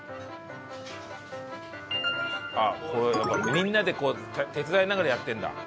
みんなでこう手伝いながらやってるんだ。